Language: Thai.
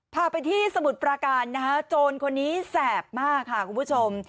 พาไปที่สมุทรประการนะฮะโจรคนนี้แสบมากค่ะคุณผู้ชม